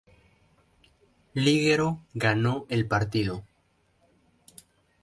Ligero ganó el partido.